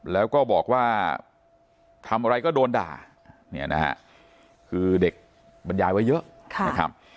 แล้วก็บอกว่าทำอะไรก็โดนด่าเนี่ยนะฮะคือเด็กบรรยายไว้เยอะนะครับ